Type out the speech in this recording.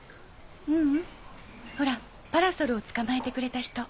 ううんほらパラソルをつかまえてくれた人。